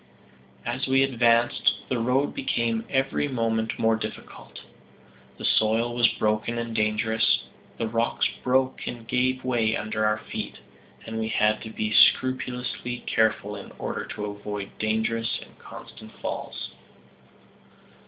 As we advanced, the road became every moment more difficult. The soil was broken and dangerous. The rocks broke and gave way under our feet, and we had to be scrupulously careful in order to avoid dangerous and constant falls.